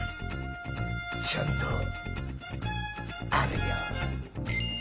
ちゃんとあるよ。